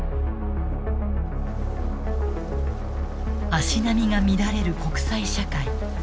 足並みが乱れる国際社会。